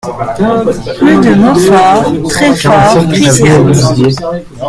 Rue de Montfort, Treffort-Cuisiat